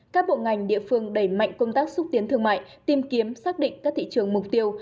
các bộ ngành địa phương đẩy mạnh công tác xúc tiến thương mại tìm kiếm xác định các thị trường mục tiêu